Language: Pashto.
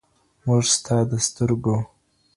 موږه ستا د سترګو